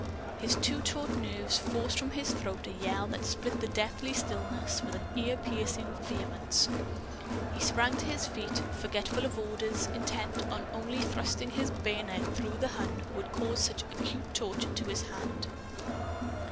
His too taut nerves forced from his throat a yell that split the deathly stillness with an ear piercing vehemence. He sprang to his feet, forgetful of orders intent only on thrusting his bayonet through the Hun who had caused such acute torture to his hand.